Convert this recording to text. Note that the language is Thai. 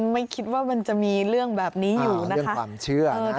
ไม่คิดว่ามันจะมีเรื่องแบบนี้อยู่นะคะเรื่องความเชื่อนะคะ